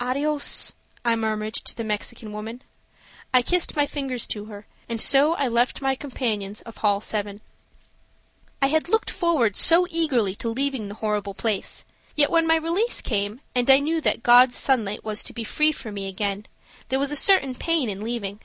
"Adios," I murmured to the Mexican woman. I kissed my fingers to her, and so I left my companions of hall 7. I had looked forward so eagerly to leaving the horrible place, yet when my release came and I knew that God's sunlight was to be free for me again, there was a certain pain in leaving.